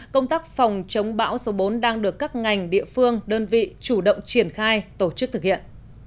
công tác phòng chống bão số bốn đang được các ngành địa phương đơn vị chủ động triển khai tổ chức thực hiện